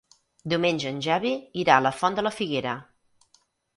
Diumenge en Xavi irà a la Font de la Figuera.